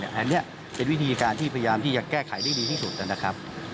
อันนี้เป็นวิธีการที่พยายามที่จะแก้ไขได้ดีที่สุดนะครับ